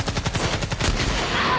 あっ！